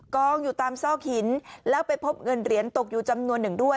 กองอยู่ตามซอกหินแล้วไปพบเงินเหรียญตกอยู่จำนวนหนึ่งด้วย